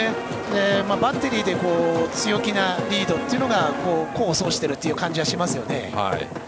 バッテリーで強気なリードというのが功を奏しているという感じがしますよね。